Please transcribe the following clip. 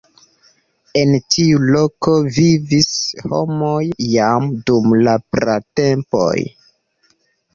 En tiu loko vivis homoj jam dum la pratempoj.